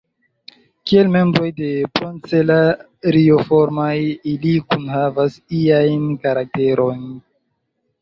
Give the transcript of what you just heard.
Kiel membroj de Procelarioformaj, ili kunhavas iajn karakterojn.